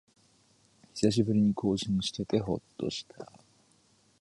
久しぶりに更新しててほっとした